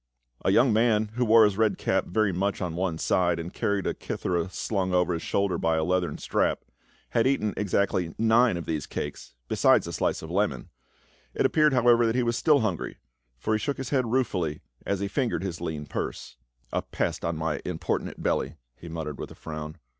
A young man who wore his red cap very much on one side, and carried a kithera slung over his shoulder by a leathern strap, had eaten exactly nine of these cakes besides a slice of melon ; it appeared however that he was still hungry, for he shook his head ruefully as he fingered his lean purse. S30 PA UL. "A pest on my importunate belly," he muttered with a frown.